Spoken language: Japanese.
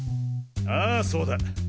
ああそうだ！